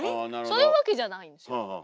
そういうわけじゃないんですよ。